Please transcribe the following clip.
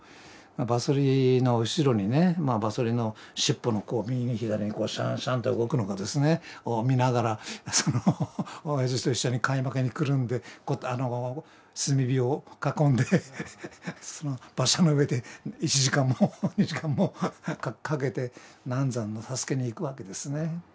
馬そりの後ろにね馬そりのしっぽの右に左にこうシャンシャンと動くのがですねを見ながら親父と一緒にかいまきにくるんで炭火を囲んで馬車の上で１時間も２時間もかけて難産の助けに行くわけですね。